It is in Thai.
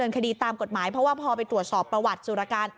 คดีตามกฎหมายเพราะว่าพอไปตรวจสอบประวัติสุรการ